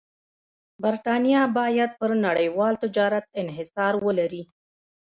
برېټانیا باید پر نړیوال تجارت انحصار ولري.